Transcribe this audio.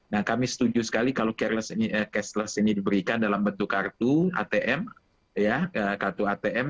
nah kami setuju sekali kalau testless ini diberikan dalam bentuk kartu atm